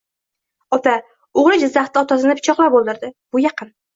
Ota: O'g'il Jizzaxda otasini pichoqlab o'ldirdi Bu yaqin